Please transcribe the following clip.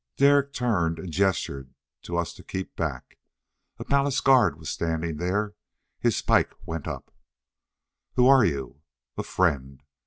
Derek turned and gestured to us to keep back. A palace guard was standing there. His pike went up. "Who are you?" "A friend."